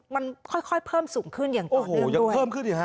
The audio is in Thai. มันค่อยเพิ่มสูงขึ้นอย่างก่อนเรื่องด้วย